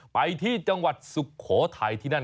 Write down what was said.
ไปที่จังหวัดสุโขทัยที่นั่น